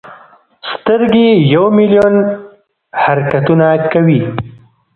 سترګې یو ملیون حرکتونه کوي.